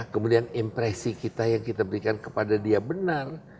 kemudian impresi kita yang kita berikan kepada dia benar